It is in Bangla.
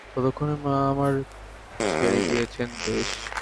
ততক্ষণে মা আমার ছেড়ে গিয়েচেন দেশ?